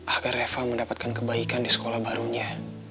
agar reva mendapatkan kebaikan di sekolah barunya